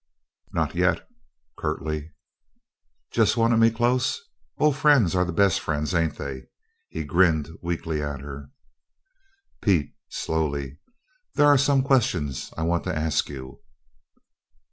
"Not yet," curtly. "Jest wanted me close? Ol' friends are the best friends ain't they?" He grinned weakly at her. "Pete," slowly, "there are some questions I want to ask you."